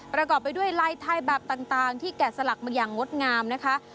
ประกอบไปด้วยลายไทยแบบต่างที่แกะสลักมาอย่างงดงามนะคะ